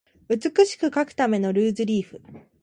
美しく書くためのルーズリーフ